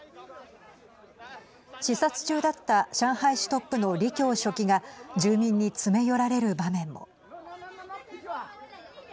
視察中だった上海市トップの李強書記が住民に詰め寄られる場面も。